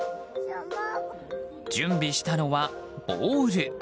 準備したのはボール。